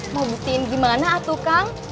mau buktiin gimana tuh kang